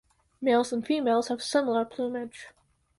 Males and females have similar plumage.